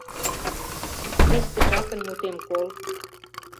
Кеч тышакын мутем кол: